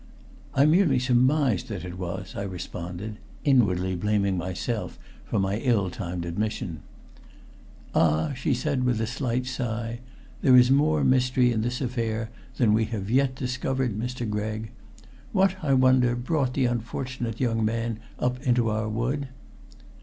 "I merely surmised that it was," I responded, inwardly blaming myself for my ill timed admission. "Ah!" she said with a slight sigh, "there is more mystery in this affair than we have yet discovered, Mr. Gregg. What, I wonder, brought the unfortunate young man up into our wood?"